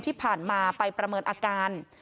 ที่ผ่านมาไปประเมินอาการ